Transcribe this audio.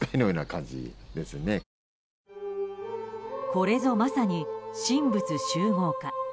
これぞ、まさに神仏習合か。